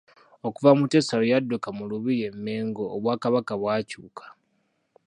Okuva Muteesa lwe yadduka mu Lubiri e Mengo obwakabaka bwakyuka..